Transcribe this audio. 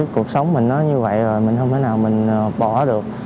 cuộc sống mình như vậy rồi mình không thể nào bỏ được